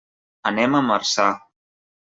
Anem a Marçà.